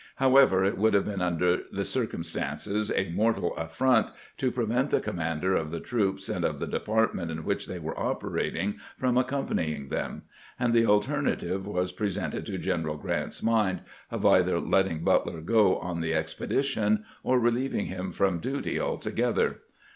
However, it would have been, under the circumstances, a mortal affront to pre vent the commander of the troops and of the department in which they were operating from accompanying them ; and the alternative was presented to General Grant's mind of either letting Butler go on the expedition or re lieving him from duty altogether.